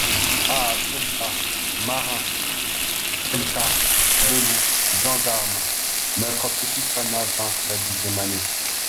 «Ah ! soldats-marins ! peltas ! gabeloux ! gendarmes !» Notre petite Anna vint la deuxième année.